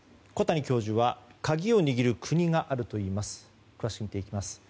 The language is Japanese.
小谷教授は鍵を握る国があるといいます。